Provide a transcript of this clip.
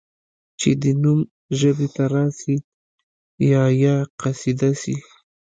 چي دي نوم ژبي ته راسي یا یا قصیده سي